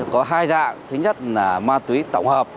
có hai dạng thứ nhất là ma túy tổng hợp